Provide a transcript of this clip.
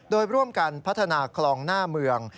โดยร่วมกันพัฒนาคลองหน้าเมือง